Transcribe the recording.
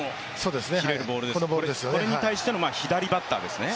これに対しての左バッターですね。